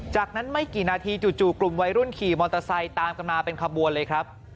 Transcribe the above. จากนั้นไม่กี่นาทีจู่กลุ่มวัยรุ่นขี่มอเตอร์ไซค์ตามกันมาเป็นขบวนเลยครับ